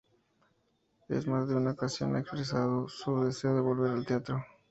En más de una ocasión ha expresado su deseo de volver al teatro.